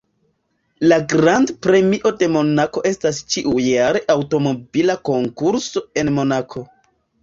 La Grand-Premio de Monako estas ĉiujara aŭtomobila konkurso en Monako.